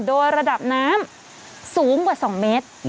โดยระดับน้ำสูงกว่า๒เมตร